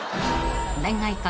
［恋愛観